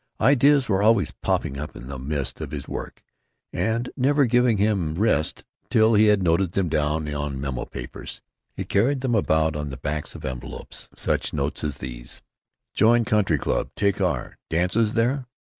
Ideas were always popping up in the midst of his work, and never giving him rest till he had noted them down on memo. papers. He carried about, on the backs of envelopes, such notes as these: Join country clb take R dances there?